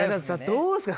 どうですか？